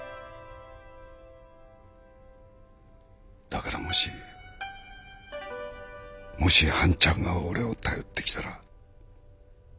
だからもしもし半ちゃんが俺を頼ってきたら。